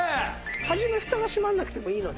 初めフタが閉まらなくてもいいので。